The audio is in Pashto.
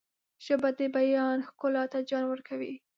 ژبه د بیان ښکلا ته جان ورکوي